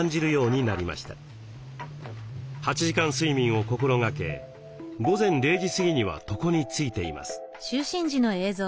８時間睡眠を心がけ午前０時過ぎには床についています。